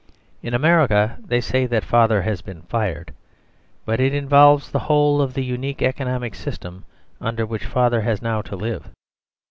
In America they say that Father has been fired. But it involves the whole of the unique economic system under which Father has now to live.